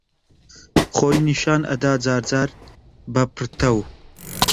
خۆی نیشان ئەدا جارجار بە پڕتەو